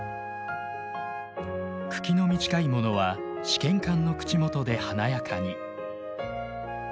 茎の短いものは試験管の口元で華やかに。